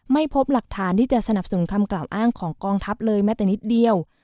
ไม่พบหลักฐานที่จะสนับสนุนคำกล่าวอ้างของกองทัพเลยแม้แต่นิดเดียว